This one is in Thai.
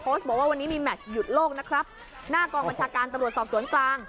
บอกว่าวันนี้มีแมชหยุดโลกนะครับหน้ากองบัญชาการตำรวจสอบสวนกลาง